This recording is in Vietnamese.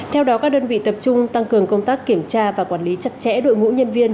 theo đó các đơn vị tập trung tăng cường công tác kiểm tra và quản lý chặt chẽ đội ngũ nhân viên